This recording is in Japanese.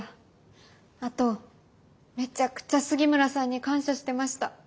あとめちゃくちゃ杉村さんに感謝してました。